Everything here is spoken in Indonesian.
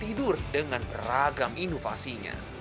tidur dengan beragam inovasinya